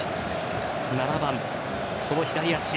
７番、その左足。